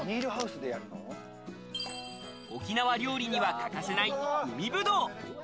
沖縄料理には欠かせない海ブドウ。